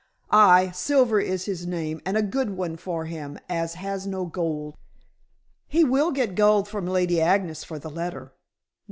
"Aye: Silver is his name, and a good one for him as has no gold." "He will get gold from Lady Agnes for the letter."